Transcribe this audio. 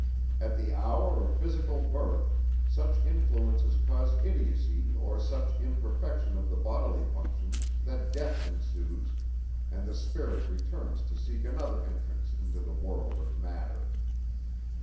At the hour of physical birth, such influences cause idiocy or such imperfection of the bodily functions that death ensues, and the spirit returns to seek another entrance into the world of matter.